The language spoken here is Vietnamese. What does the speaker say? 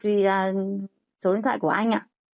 thì là số điện thoại của anh ạ